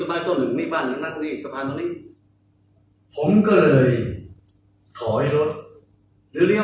นะฮะนี่รถมันจอดตรงนี้